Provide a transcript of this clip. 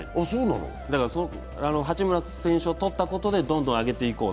八村選手をとったことでどんどん上げていこうと。